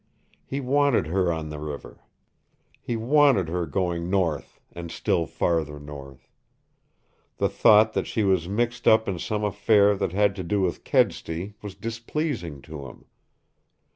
He wanted her on the river. He wanted her going north and still farther north. The thought that she was mixed up in some affair that had to do with Kedsty was displeasing to him.